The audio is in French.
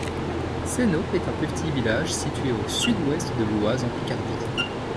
Senots est un petit village situé au sud-ouest de l'Oise en Picardie.